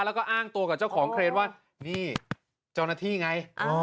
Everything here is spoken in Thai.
แล้วก็อ้างตัวกับเจ้าของเครนว่านี่เจ้าหน้าที่ไง